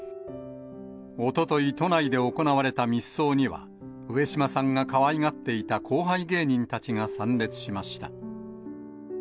おととい、都内で行われた密葬には、上島さんがかわいがっていた後輩芸人たちが参列しました。